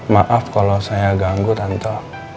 maaf kalau saya mengganggu tante